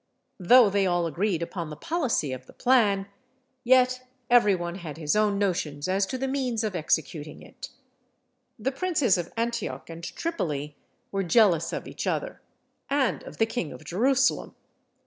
Though they all agreed upon the policy of the plan, yet every one had his own notions as to the means of executing it. The princes of Antioch and Tripoli were jealous of each other, and of the king of Jerusalem.